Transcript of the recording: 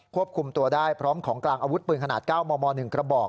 ควบคุมตัวได้พร้อมของกลางอาวุธปืนขนาด๙มม๑กระบอก